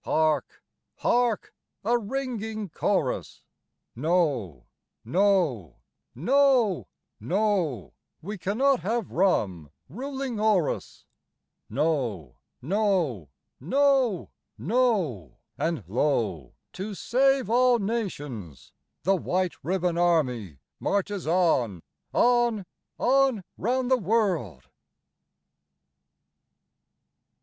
Chorus Hark! hark! a ringing chorus: No, no, no, no; We cannot have Rum ruling o'er us; No, no, no, no; And lo! to save all nations the White Ribbon Army Marches on, on, on round the world.